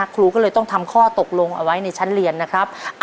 ครูก็เลยต้องทำข้อตกลงเอาไว้ในชั้นเรียนนะครับ